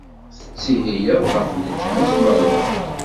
Tettihiyeḍ ɣef leǧnas meṛṛa.